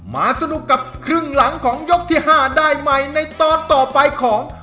มาสนุกกับครึ่งหลังของยกที่๕ได้ใหม่ในตอนต่อไปของ